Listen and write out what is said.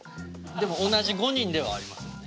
でも同じ５人ではありますもんね。